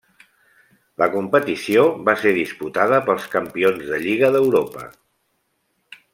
La competició va ser disputada pels campions de Lliga d'Europa.